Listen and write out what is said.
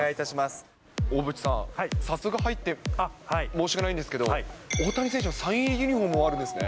大渕さん、早速入って、申し訳ないんですけど、大谷選手のサイン入りユニホームあるんですね。